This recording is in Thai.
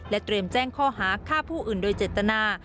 เตรียมแจ้งข้อหาฆ่าผู้อื่นโดยเจตนา